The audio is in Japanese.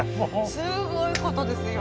すごいことですよ。